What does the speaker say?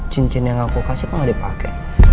cincin yang aku kasih kok gak dipake